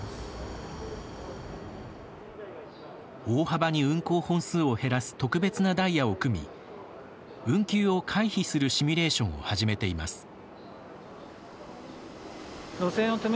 大幅に運行本数を減らす特別なダイヤを組み運休を回避するシミュレーションを始めています。